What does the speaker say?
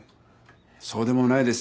そうでもないですよ。